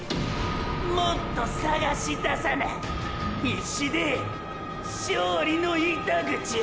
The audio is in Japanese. もっとさがしださな必死で勝利の糸口を！！